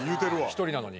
１人なのに。